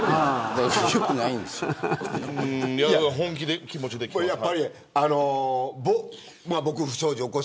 本気の気持ちで来てます。